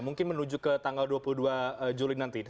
mungkin menuju ke tanggal dua puluh dua juli nanti